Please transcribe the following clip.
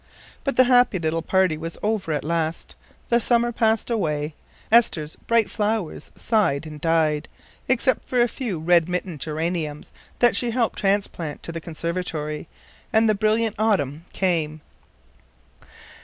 But the happy little party was over at last; the summer past away; Esther's bright flowers sighed and died, except for a few red mittened geraniums that she helped transplant to the conservatory; and the brilliant autumn came.